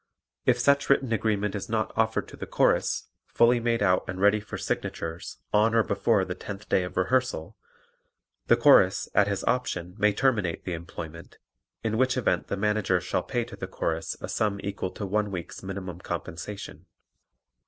If such written agreement is not offered to the Chorus, fully made out and ready for signatures, on or before the tenth day of rehearsal, the Chorus, at his option may terminate the employment, in which event the Manager shall pay to the Chorus a sum equal to one week's minimum compensation.